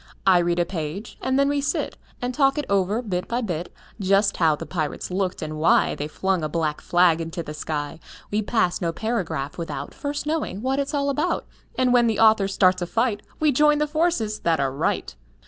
I read a page, and then we sit And talk it over, bit by bit; Just how the pirates looked, and why They flung a black flag to the sky. We pass no paragraph without First knowing what it's all about, And when the author starts a fight We join the forces that are right.